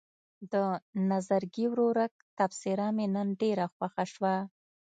د نظرګي ورورک تبصره مې نن ډېره خوښه شوه.